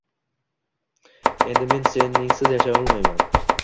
Endi men seningsiz yashay olmayman…